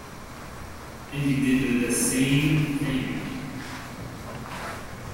And he did the same thing.